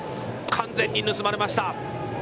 完全に盗まれました。